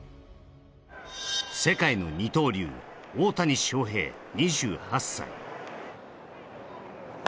世界の二刀流・大谷翔平２８歳。